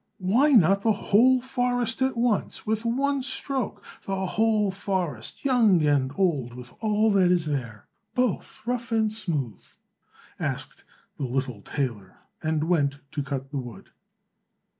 "Why not the whole forest, at once, with one stroke. The whole forest, young and old, with all that is there, both rough and smooth?" asked the little tailor, and went to cut the wood.